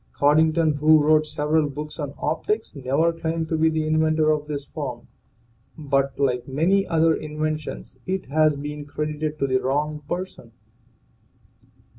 Coddington, who wrote several books on optics, never claimed to be the inventor of this form, but like many other inventions it has been credited to the wrong person.